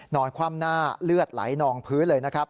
คว่ำหน้าเลือดไหลนองพื้นเลยนะครับ